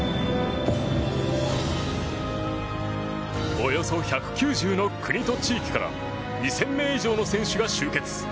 およそ１９０の国と地域から２０００名以上の選手が集結。